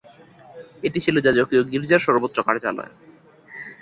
এটি ছিল যাজকীয় গির্জার সর্বোচ্চ কার্যালয়।